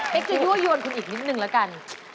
เป็นจะยั่วยวนคุณอีกนิดนึงแล้วกัน